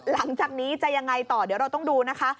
หลังจากนี้จะยังไงต่อเดี๋ยวเราต้องดูนะคะ